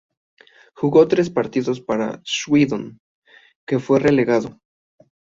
Jugó tres partidos para Swindon que fue relegado.